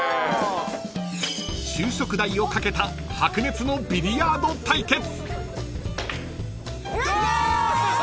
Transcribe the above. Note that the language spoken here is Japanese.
［昼食代をかけた白熱のビリヤード対決］